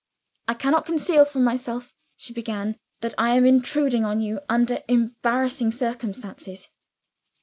"I cannot conceal from myself," she began, "that I am intruding on you under embarrassing circumstances."